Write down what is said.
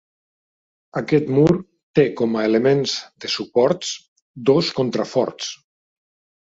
Aquest mur té com a elements de suports dos contraforts.